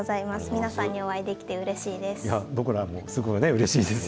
皆さんにお会いできてうれしいです。